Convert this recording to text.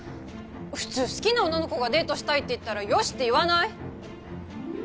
普通好きな女の子がデートしたいって言ったら「よし！」って言わない？